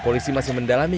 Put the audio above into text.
polisi masih mendalami